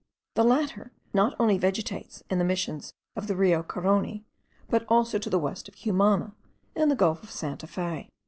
The latter not only vegetates in the missions of the Rio Carony, but also to the west of Cumana, in the gulf of Santa Fe.